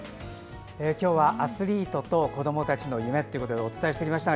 今日はアスリートと子どもたちの夢ということでお伝えしてきました。